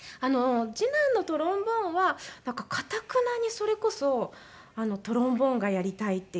次男のトロンボーンはなんかかたくなにそれこそトロンボーンがやりたいって言っていて。